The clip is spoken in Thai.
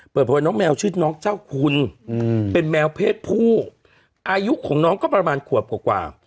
เปิดเผยว่าน้องแมวชื่อน้องเจ้าคุณเป็นแมวเพศผู้อายุของน้องก็ประมาณขวบกว่า